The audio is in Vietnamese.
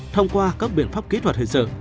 thông qua các biện pháp kỹ thuật hình sự